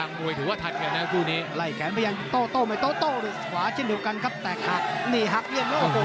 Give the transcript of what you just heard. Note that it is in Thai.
นี่หักเรียนดูโอ้โหเป็นความขึ้นไปดี